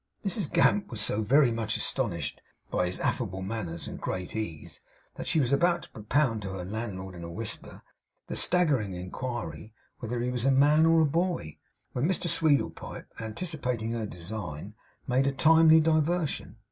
Mrs Gamp was so very much astonished by his affable manners and great ease, that she was about to propound to her landlord in a whisper the staggering inquiry, whether he was a man or a boy, when Mr Sweedlepipe, anticipating her design, made a timely diversion.